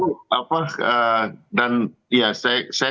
dan saya juga berpikir saya juga berpikir saya